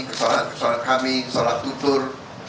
kesalahan kesalahan kami salah tutur